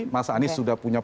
mas anies sudah punya